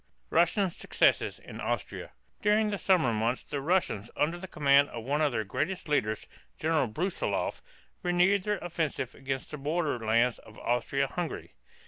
RUSSIAN SUCCESSES IN AUSTRIA. During the summer months the Russians under the command of one of their greatest leaders, General Bru´silov, renewed their offensive against the border lands of Austria Hungary.